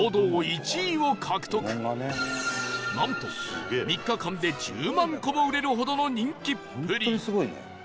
なんと３日間で１０万個も売れるほどの人気っぷり